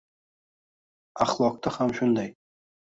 Ahloqda ham shunday